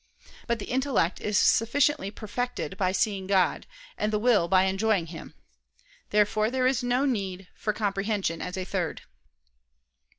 But the intellect is sufficiently perfected by seeing God, and the will by enjoying Him. Therefore there is no need for comprehension as a third.